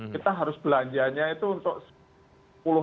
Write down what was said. kita harus belanjanya itu untuk sepuluh tahun